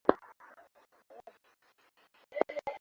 Homa kali ni dalili muhimu ya ugonjwa wa ndigana kali